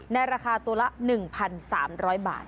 ราคาตัวละ๑๓๐๐บาท